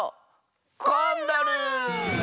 コンドル！